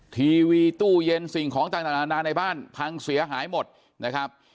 ทีวีตู้เย็นสิ่งของต่างนานาในบ้านพังเสียหายหมดนะครับ